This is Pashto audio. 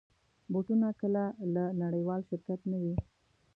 بوټونه کله له نړېوال شرکت نه وي.